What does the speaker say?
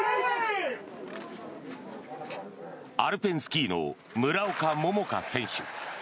アルペンスキーの村岡桃佳選手。